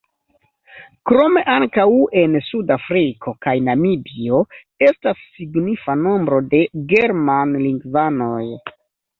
Krome ankaŭ en Sud-Afriko kaj Namibio estas signifa nombro de germanlingvanoj.